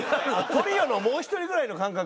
トリオのもう一人ぐらいの感覚？